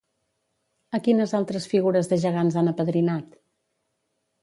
A quines altres figures de gegants han apadrinat?